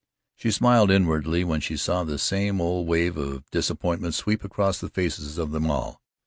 She smiled inwardly when she saw the same old wave of disappointment sweep across the faces of them all.